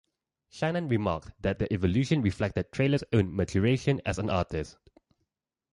Shannon remarked that the evolution reflected Traylor's own maturation as an artist.